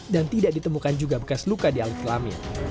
dan tidak ditemukan juga bekas luka di alat kelamin